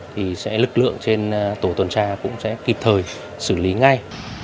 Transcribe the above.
thì sẽ lực lượng trên tổ tuần tra cũng sẽ kịp thời xử lý ngay